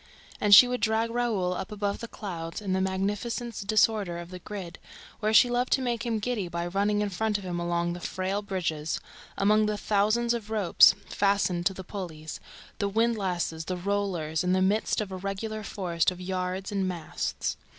And she would drag him up above the clouds, in the magnificent disorder of the grid, where she loved to make him giddy by running in front of him along the frail bridges, among the thousands of ropes fastened to the pulleys, the windlasses, the rollers, in the midst of a regular forest of yards and masts.